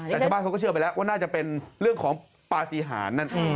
แต่ชาวบ้านเขาก็เชื่อไปแล้วว่าน่าจะเป็นเรื่องของปฏิหารนั่นเอง